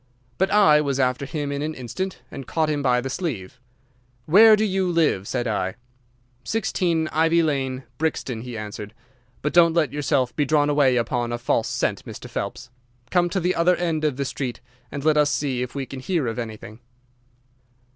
"But I was after him in an instant and caught him by the sleeve. "'Where do you live?' said I. "'16 Ivy Lane, Brixton,' he answered. 'But don't let yourself be drawn away upon a false scent, Mr. Phelps. Come to the other end of the street and let us see if we can hear of anything.